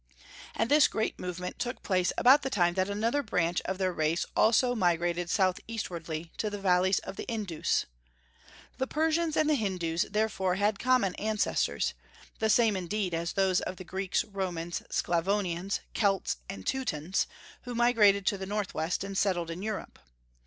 And this great movement took place about the time that another branch of their race also migrated southeastwardly to the valleys of the Indus. The Persians and the Hindus therefore had common ancestors, the same indeed, as those of the Greeks, Romans, Sclavonians, Celts, and Teutons, who migrated to the northwest and settled in Europe.